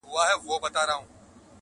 اوس دي بېغمه ګرځي ښاغلي -